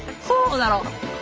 そうだろ！